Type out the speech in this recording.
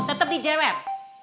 tetap di jwep